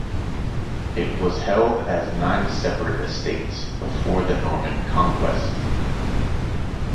It was held as nine separate estates before the Norman Conquest.